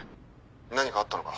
何かあったのか？